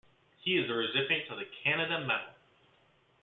He is a recipient of the Canada Medal.